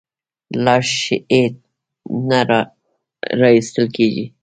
لاش یې نه راایستل کېږي.